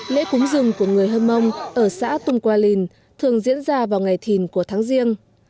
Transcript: lễ cúng rừng của người hân mông ở xã tông qua linh thường diễn ra vào ngày thìn của tháng riêng